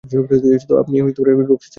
তো আপনি এটা রক্সির সেলে পাননি?